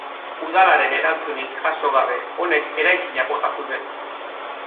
Udalaren erantzunik jaso gabe, honek eraikina bota zuen.